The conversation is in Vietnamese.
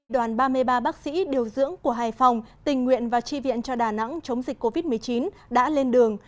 đoàn ba mươi ba bác sĩ điều dưỡng của hải phòng tình nguyện và tri viện cho đà nẵng chống dịch covid một mươi chín đã lên đường